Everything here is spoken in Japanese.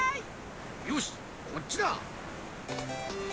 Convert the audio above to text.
よしこっちだ！